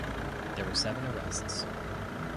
There were seven arrests.